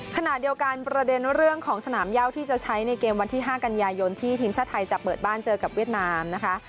ขณะเดียวกันประเด็นเรื่องของสนามเย่าที่จะใช้ในเกมวันที่๕กันยายนที่ทีมชาติไทยจะเปิดบ้านเจอกับเวียดนามนะคะ